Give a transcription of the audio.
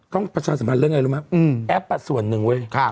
ประชาสัมพันธ์เรื่องอะไรรู้ไหมแอปส่วนหนึ่งเว้ย